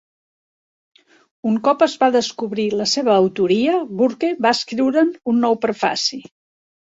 Un cop es va descobrir la seva autoria, Burke va escriure'n un nou prefaci.